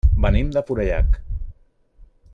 Venim de Forallac.